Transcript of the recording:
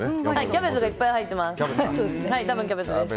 キャベツがいっぱい入ってます。